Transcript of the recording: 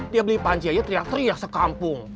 dia beli panji aja teriak teriak sekampung